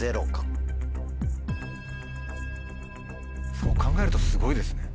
そう考えるとすごいですね